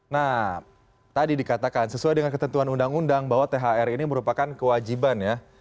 nah tadi dikatakan sesuai dengan ketentuan undang undang bahwa thr ini merupakan kewajiban ya